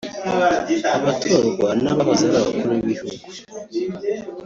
abatorwa n’ abahoze ari Abakuru b’ Ibihugu